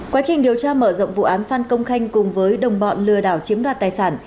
quá trình điều tra mở rộng vụ án phan công khanh cùng với đồng bọn lừa đảo chiếm đoạt tài sản